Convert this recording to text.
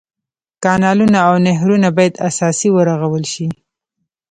کانلونه او نهرونه باید اساسي ورغول شي.